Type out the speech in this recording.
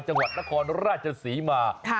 สหรัฐนครราชสีมา